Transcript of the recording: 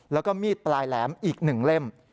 แล้วก็มีดปลายแหลมอีก๑เล่ม